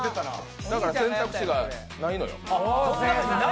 だから選択肢がないのよ。